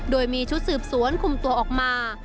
โดยมีชุดสืบสวนคุมตัวออกมา